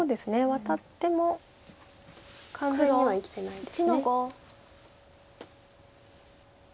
ワタっても完全には生きてないです。